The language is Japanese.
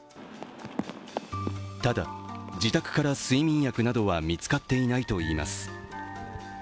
ただ、自宅から睡眠薬などは見つかっていないといいます。